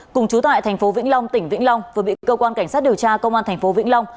cùng chú tại tp vĩnh long tỉnh vĩnh long vừa bị cơ quan cảnh sát điều tra công an tp vĩnh long